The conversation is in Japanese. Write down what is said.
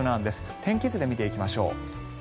天気図で見ていきましょう。